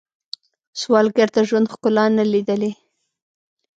سوالګر د ژوند ښکلا نه لیدلې